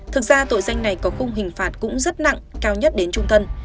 thực ra tội danh này có khung hình phạt cũng rất nặng cao nhất đến trung thân